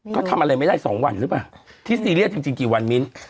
ก็ทำอะไรไม่ได้๒วันหรือเปล่าที่ซีเรียสจริงกี่วันมิ้น